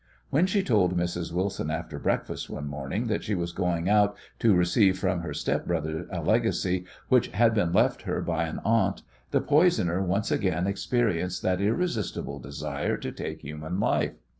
When she told Mrs. Wilson after breakfast one morning that she was going out to receive from her step brother a legacy which had been left her by an aunt the poisoner once again experienced that irresistible desire to take human life.